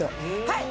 はい！